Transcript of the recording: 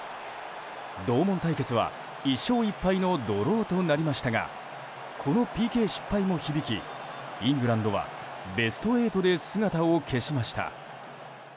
同門対決は１勝１敗のドローとなりましたがこのＰＫ失敗も響きイングランドはベスト８で姿を消しました。